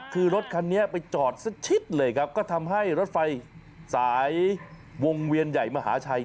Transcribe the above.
คือรถคันนี้ไปจอดสักชิดเลยครับก็ทำให้รถไฟสายวงเวียนใหญ่มหาชัย